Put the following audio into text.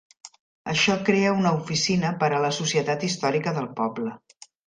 Això crea una oficina per a la societat histórica del poble.